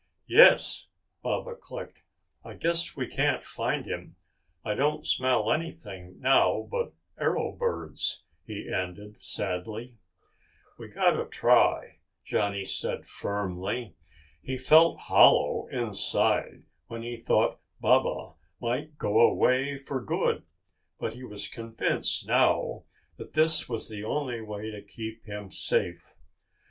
"Yes," Baba clicked. "I guess we can't find him. I don't smell anything now but arrow birds," he ended sadly. "We gotta try," Johnny said firmly. He felt hollow inside when he thought Baba might go away for good, but he was convinced now that this was the only way to keep him safe.